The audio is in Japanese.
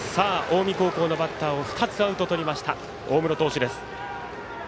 近江高校のバッターを２つアウトとりました、大室投手。